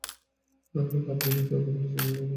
ও বলল, আপনি নাকি ওকে বলেছিলেন ও সেটা পরেও দিতে পারবে।